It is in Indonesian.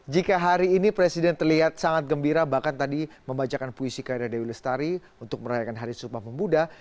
jika hari ini presiden terlihat sangat gembira bahkan tadi membacakan puisi karya dewi lestari untuk merayakan hari sumpah pemuda